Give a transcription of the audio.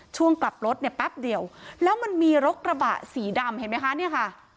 ช่วงกลับรถเนี่ยแป๊บเดียวแล้วมันมีรถกระบะสีดำเห็นไหมคะเนี่ยค่ะ